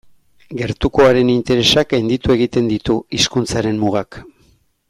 Gertukoaren interesak gainditu egiten ditu hizkuntzaren mugak.